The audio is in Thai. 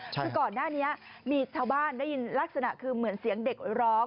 คือก่อนหน้านี้มีชาวบ้านได้ยินลักษณะคือเหมือนเสียงเด็กร้อง